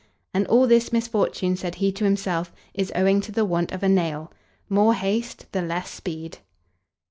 "And all this misfortune," said he to himself, "is owing to the want of a nail. More haste, the less speed!"